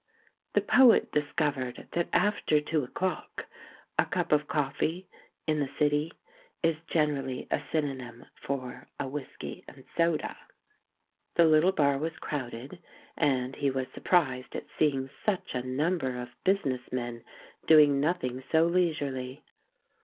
The poet discovered that after two o'clock "a cup of coffee" in the City is gen erally a synonym for a whisky and soda. The little bar was crowded, and he was sur prised at seeing such a number of business men doing nothing so leisurely.